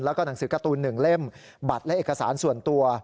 แล้วก็หนังสือการ์ตูน๑เล่มบัตรและเอกสารส่วนตัว